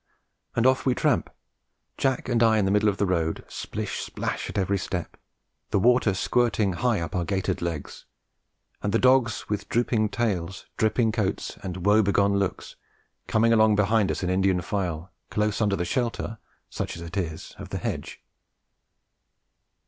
And off we tramp, Jack and I in the middle of the road, splish splash at every step, the water squirting high up our gaitered legs, and the dogs, with drooping tails, dripping coats and woe begone looks, coming along behind us in Indian file close under the shelter, such as it is, of the hedge.